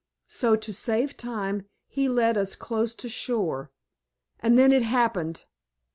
So to save time he led us close to shore. And then it happened.